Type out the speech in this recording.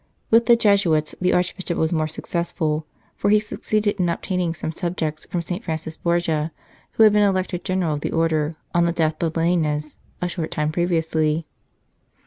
With the Jesuits the Archbishop was more successful, for he succeeded in obtaining some subjects from St. Francis Borgia, who had been elected General of the Order on the death of Lainez a short time previously.